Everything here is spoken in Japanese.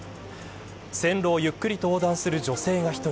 線路をゆっくりと横断する女性が一人。